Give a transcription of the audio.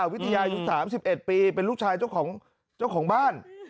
วิทยาอายุ๓๑ปีเป็นลูกชายเจ้าของบ้าน